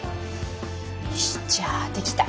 よしじゃあできた！